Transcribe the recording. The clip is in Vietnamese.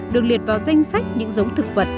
được liệt vào danh sách những giống thực vật